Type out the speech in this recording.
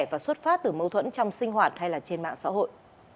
và xuất phát từ mâu thuẫn trong sinh hoạt hay là trên mạng xã hội